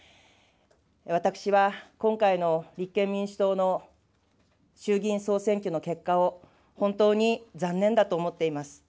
私は、今回の立憲民主党の衆議院総選挙の結果を本当に残念だと思っています。